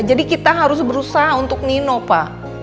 jadi kita harus berusaha untuk nino pa